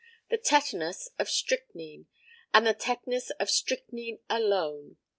The tetanus of strychnine, and the tetanus of strychnine alone.